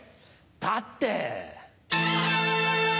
だって。